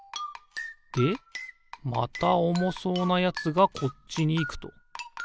でまたおもそうなやつがこっちにいくと。